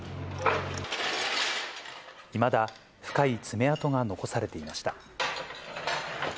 いまだ、深い爪痕が残されていました。